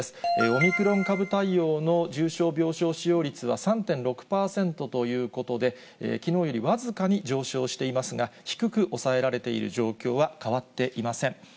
オミクロン株対応の重症病床使用率は３．６％ということで、きのうより僅かに上昇していますが、低く抑えられている状況は変わっていません。